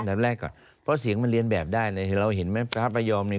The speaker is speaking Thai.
แรกก่อนเพราะเสียงมันเรียนแบบได้เลยเราเห็นไหมพระประยอมเนี่ย